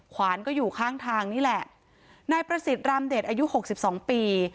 ขวานก็อยู่ข้างทางนี่แหละนายประสิทธิ์รามเดชอายุหกสิบสองปี